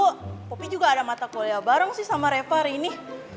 tau popi juga ada mata kuliah bareng sih sama reva hari ini